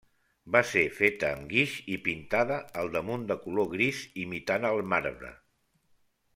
Va ser feta amb guix i pintada al damunt de color gris imitant el marbre.